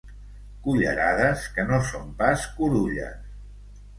Cullerades que no són pas curulles.